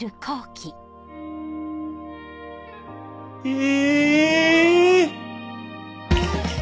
⁉え⁉